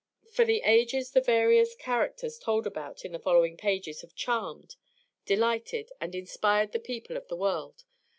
For ages the various characters told about in the following pages have charmed, delighted, and inspired the people of the world.